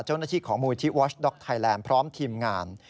เจ้าหน้าที่ของมูลที่วอชด็อกไทยแลนด์พร้อมทีมงาน